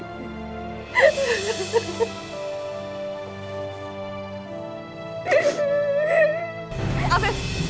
aku mau pergi lagi